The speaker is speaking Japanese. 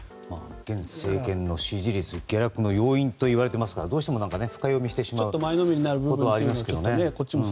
現政権の支持率下落の要因といわれていますからどうしても深読みしてしまう部分はありますね。